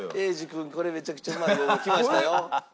「英二君これめちゃくちゃうまいよ」がきましたよ。